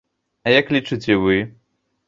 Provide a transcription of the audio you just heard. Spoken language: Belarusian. А як лічыце вы?